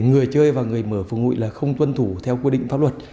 người chơi và người mở phưởng hội là không tuân thủ theo quy định pháp luật